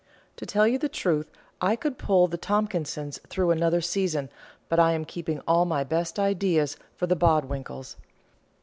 "To tell you the truth, I could pull the Tompkinses through another season, but I am keeping all my best ideas for the Bodwinkles.